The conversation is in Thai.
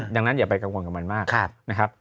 ดังนั้นอย่าไปกังวลกับมันมากนะครับ